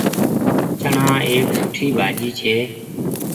چڻآ ايڪ سُٺي ڀآڃي ڇي۔